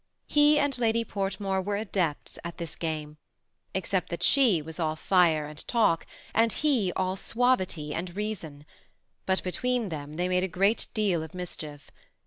He and Lady Portmore were adepts at this game, except that she was all fire and talk, and he all suavity and reason; but between them, they made a deal of mischief.